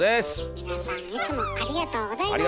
皆さんいつもありがとうございます！